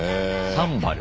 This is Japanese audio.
サンバル。